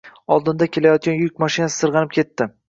Oldinda kelayotgan yuk mashinasi sirgʻalib ketdi